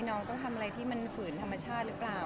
น้องต้องทำอะไรที่มันฝืนธรรมชาติหรือเปล่า